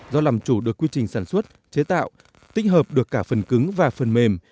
do làm chủ được quy trình sản xuất chế tạo tích hợp được cả phần cứng và phần mềm